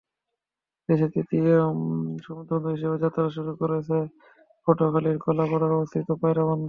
দেশের তৃতীয় সমুদ্রবন্দর হিসেবে যাত্রা শুরু করেছে পটুয়াখালীর কলাপাড়ায় অবস্থিত পায়রা বন্দর।